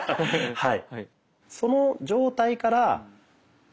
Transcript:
はい。